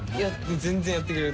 全然やってくれる。